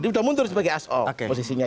sudah mundur sebagai aso posisinya